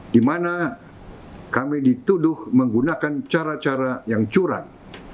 di mana kami dituduh menggunakan cara cara yang curang